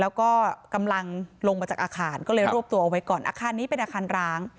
แล้วก็กำลังลงมาจากอาคารก็เลยรวบตัวเอาไว้ก่อนอาคารนี้เป็นอาคารร้าง